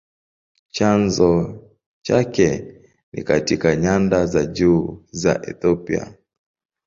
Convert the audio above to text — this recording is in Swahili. Chanzo chake ni katika nyanda za juu za Ethiopia.